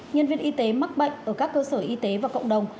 nhân viên y tế mắc bệnh ở các cơ sở y tế và cộng đồng